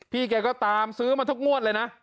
แกก็ตามซื้อมาทุกงวดเลยนะ